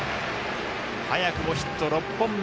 早くもヒット６本目。